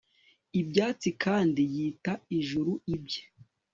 Ibyatsi kandi yita ijuru ibye